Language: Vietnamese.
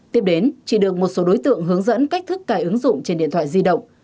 tiếp đến chị được một số đối tượng hướng dẫn cách thức cài ứng dụng trên điện thoại di động